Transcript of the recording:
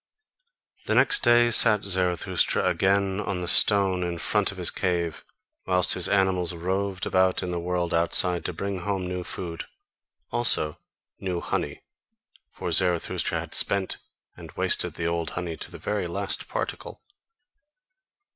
The next day sat Zarathustra again on the stone in front of his cave, whilst his animals roved about in the world outside to bring home new food, also new honey: for Zarathustra had spent and wasted the old honey to the very last particle.